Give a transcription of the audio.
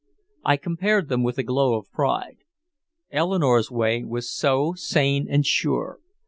I compared them with a glow of pride. Eleanore's way was so sane and sure.